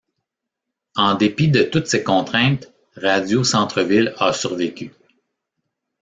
En dépit de toutes ces contraintes, Radio Centre-Ville a survécu.